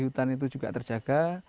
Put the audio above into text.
hutan itu juga terjaga